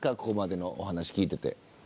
ここまでのお話を聞いていて。